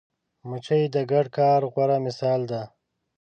مچمچۍ د ګډ کار غوره مثال ده